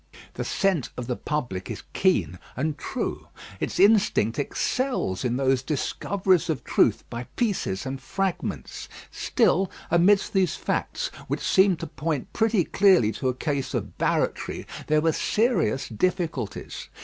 The scent of the public is keen and true. Its instinct excels in those discoveries of truth by pieces and fragments. Still, amidst these facts, which seemed to point pretty clearly to a case of barratry, there were serious difficulties.